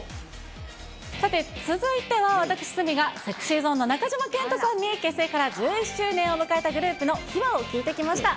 さて、続いては私、鷲見がＳｅｘｙＺｏｎｅの中島健人さんに結成から１１周年を迎えたグループの秘話を聞いてきました。